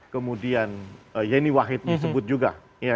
kemudian yeni wahid disebut juga